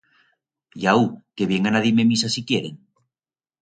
Y au, que viengan a dir-me misa si quieren!